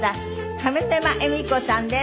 上沼恵美子さんです。